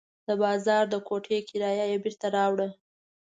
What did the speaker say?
د بازار د کوټې کرایه یې بېرته راوړه.